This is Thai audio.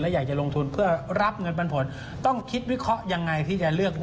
อยากจะลงทุนเพื่อรับเงินปันผลต้องคิดวิเคราะห์ยังไงที่จะเลือก